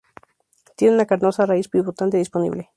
Tiene una carnosa raíz pivotante disponible.